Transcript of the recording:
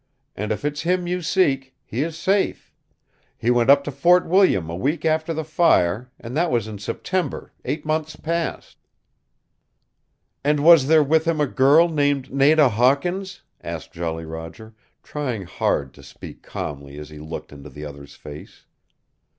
And if it's him you seek, he is safe. He went up to Fort William a week after the fire, and that was in September, eight months past." "And was there with him a girl named Nada Hawkins?" asked Jolly Roger, trying hard to speak calmly as he looked into the other's face.